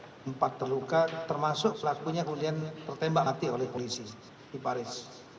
dan ada empat terluka termasuk pelakunya kemudian tertembak mati oleh polisi di paris